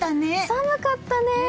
寒かったね。